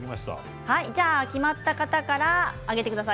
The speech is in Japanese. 決まった方から上げてください